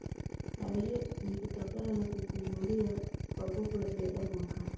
Hali hiyo ni kutokana na kuvumbuliwa kwa fuvu la binadamu wa kale